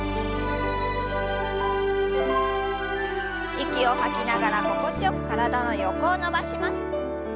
息を吐きながら心地よく体の横を伸ばします。